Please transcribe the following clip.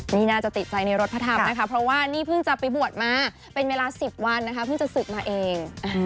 นี่น่าจะติดใจในรถพระธรรมนะคะเพราะว่านี่เพิ่งจะไปบวชมาเป็นเวลา๑๐วันนะคะเพิ่งจะศึกมาเอง